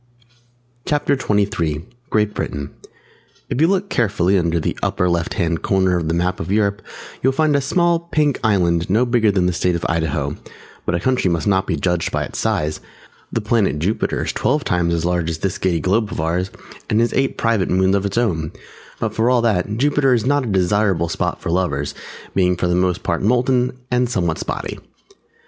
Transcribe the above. CHAPTER XXIII GREAT BRITAIN If you look carefully under the upper left hand corner of the map of Europe, you will find a small pink island no bigger than the state of Idaho. [Illustration: THE PLANET JUPITER (from a photograph)] But a Country must not be judged by its size. The Planet Jupiter is twelve times as large as this Giddy Globe of ours, and has eight private moons of its own, but for all that Jupiter is not a desirable spot for Lovers, being for the most part molten, and somewhat spotty.